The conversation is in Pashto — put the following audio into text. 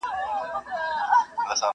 ټولوي رزق او روزي له لویو لارو٫